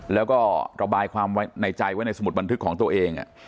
แล้วก็ระบายความไว้ในใจไว้ในสมุดบันทึกของตัวเอง